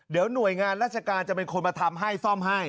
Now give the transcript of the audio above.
เดี๋ยวหน่วยงานราชการจะเป็นคนมาทำให้ซ่อมให้